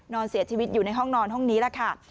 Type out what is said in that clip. นอนเสียชีวิตอยู่ในห้องนอนห้องนี้แหละค่ะ